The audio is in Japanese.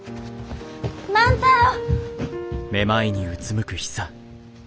万太郎！